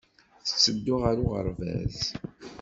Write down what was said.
Tetteddu ɣer uɣerbaz.